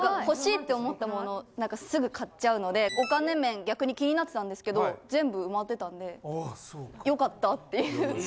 欲しいって思ったものすぐ買っちゃうのでお金面逆に気になってたんですけど全部埋まってたんでよかったっていう。